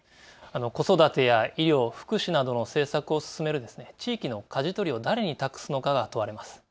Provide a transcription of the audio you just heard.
子育てや医療、福祉などの政策を進める地域のかじ取りを誰に託すのかが問われます。